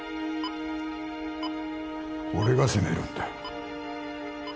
俺が責めるんだよ